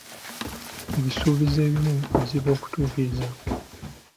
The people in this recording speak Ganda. Ebisuubizo ebimu bizibu okutuukiriza.